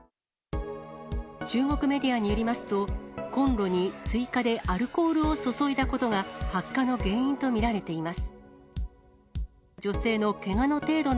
中国メディアによりますと、こんろに追加でアルコールを注いだことが発火の原因と見られています。